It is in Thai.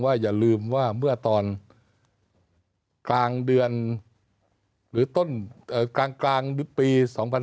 อย่าลืมว่าเมื่อตอนกลางเดือนหรือต้นกลางปี๒๕๖๒